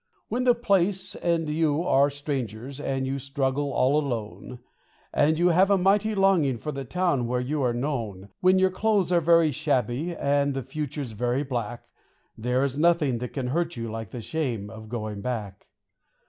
When the place and you are strangers and you struggle all alone, And you have a mighty longing for the town where you are known; When your clothes are very shabby and the future's very black, There is nothing that can hurt you like the shame of going back.